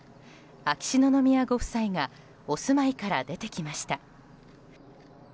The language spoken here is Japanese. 秋篠宮ご夫妻がお住まいから出てきました。